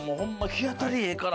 日当たりええから。